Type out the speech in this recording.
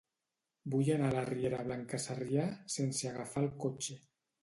Vull anar a la riera Blanca Sarrià sense agafar el cotxe.